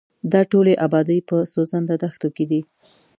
دا ټولې ابادۍ په سوځنده دښتو کې دي.